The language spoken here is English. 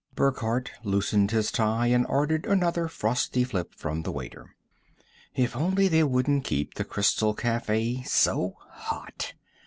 Burckhardt loosened his tie and ordered another Frosty Flip from the waiter. If only they wouldn't keep the Crystal Cafe so hot!